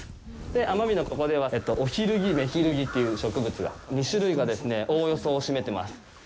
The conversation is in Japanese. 奄美のここでは、オヒルギ、メヒルギという植物が、２種類がおおよそを占めてます。